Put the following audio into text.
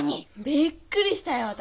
びっくりしたよ私。